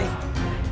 dengan dirimu ray